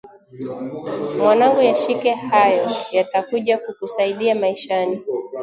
Mwanangu yashike hayo yatakuja kukusaidia maishani